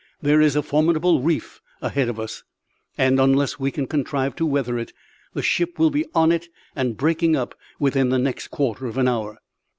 There is a formidable reef ahead of us; and, unless we can contrive to weather it, the ship will be on it and breaking up within the next quarter of an hour!"